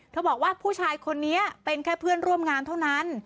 บอกว่าผู้ชายคนนี้เป็นแค่เพื่อนร่วมงานเท่านั้น